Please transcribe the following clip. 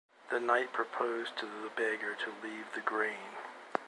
The knight proposed to the beggar to leave the grain.